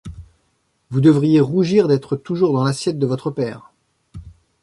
Vous devriez rougir d’être toujours dans l’assiette de votre père.